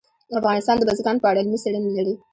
افغانستان د بزګان په اړه علمي څېړنې لري.